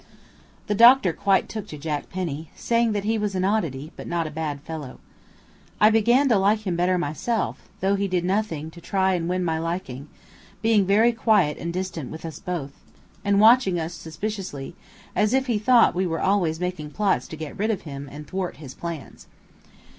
The doctor quite took to Jack Penny, saying that he was an oddity, but not a bad fellow. I began to like him better myself, though he did nothing to try and win my liking, being very quiet and distant with us both, and watching us suspiciously, as if he thought we were always making plots to get rid of him, and thwart his plans.